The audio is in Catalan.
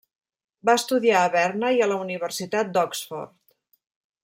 Va estudiar a Berna i a la Universitat d'Oxford.